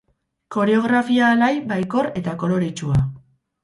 Koreografia alai, baikor eta koloretsua.